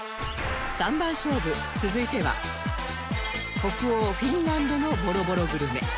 三番勝負続いては北欧フィンランドのボロボログルメ